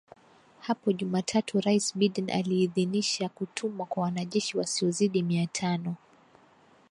Hapo Jumatatu Rais Biden aliidhinisha kutumwa kwa wanajeshi wasiozidi mia tano